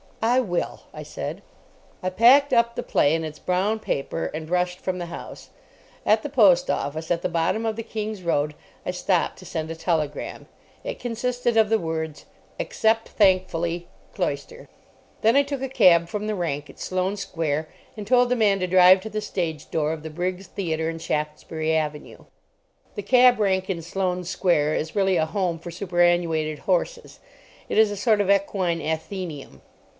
"I will," I said. I packed up the play in its brown paper, and rushed from the house. At the post office, at the bottom of the King's Road, I stopped to send a telegram. It consisted of the words, "Accept thankfully.—Cloyster." Then I took a cab from the rank at Sloane Square, and told the man to drive to the stage door of the Briggs Theatre in Shaftesbury Avenue. The cab rank in Sloane Square is really a Home for Superannuated Horses. It is a sort of equine Athenaeum.